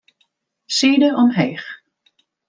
Side omheech.